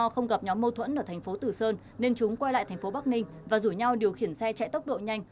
khi đến đoạn đường lý thái tổ thành phố bắc ninh và rủ nhau điều khiển xe chạy tốc độ nhanh